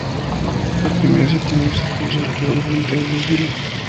Los primeros siete años Alfonso estuvo al frente del desfile.